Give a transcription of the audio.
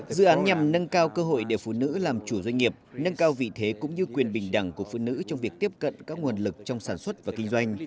dự án nhằm nâng cao cơ hội để phụ nữ làm chủ doanh nghiệp nâng cao vị thế cũng như quyền bình đẳng của phụ nữ trong việc tiếp cận các nguồn lực trong sản xuất và kinh doanh